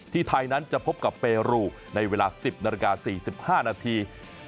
ไทยนั้นจะพบกับเปรูในเวลา๑๐นาฬิกา๔๕นาที